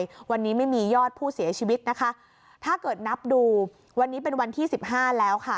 วันนี้ไม่มียอดผู้เสียชีวิตนะคะถ้าเกิดนับดูวันนี้เป็นวันที่สิบห้าแล้วค่ะ